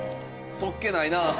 そっけない。